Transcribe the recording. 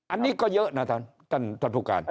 อันนี้ก็เยอะนะท่านท่านท่านธุรการ